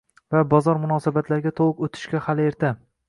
va «bozor munosabatlariga to‘liq o‘tishga hali erta